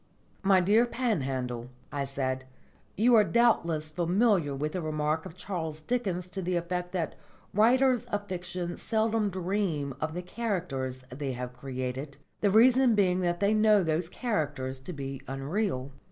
"My dear Panhandle," I said, "you are doubtless familiar with the remark of Charles Dickens to the effect that writers of fiction seldom dream of the characters they have created, the reason being that they know those characters to be unreal."